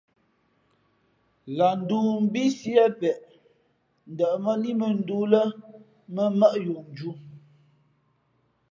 Lah ndōō mbí Sié peʼ ndαʼmά líʼ mᾱᾱndōō lά mᾱ mmάʼ yo nju.